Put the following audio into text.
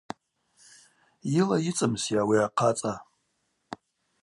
Йыла йыцӏымсйа ауи ахъацӏа.